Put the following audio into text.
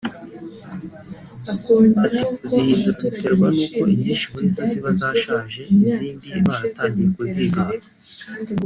Ati “Kuzihindura biterwa nuko inyinshi muri zo ziba zashaje izindi baratangiye kuzigana[